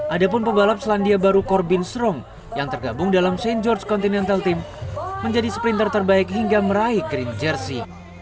ada pun pembalap selandia baru corbin strong yang tergabung dalam st george continental team menjadi sprinter terbaik hingga meraih green jersey